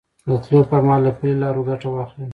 د تلو پر مهال له پلي لارو ګټه واخلئ.